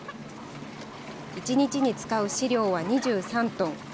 １日に使う飼料は２３トン。